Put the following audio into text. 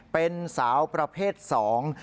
เป็นสาวประเภทสอง